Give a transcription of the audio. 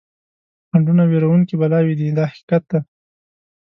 خنډونه وېروونکي بلاوې دي دا حقیقت دی.